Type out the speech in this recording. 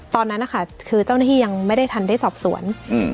ตอนนั้นนะคะคือเจ้าหน้าที่ยังไม่ได้ทันได้สอบสวน